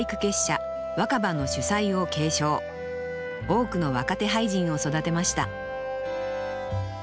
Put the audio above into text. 多くの若手俳人を育てました